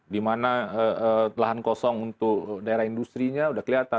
dimana lahan kosong untuk daerah industri nya sudah kelihatan